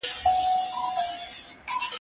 زه به د سبا لپاره د يادښتونه ترتيب کړي وي!.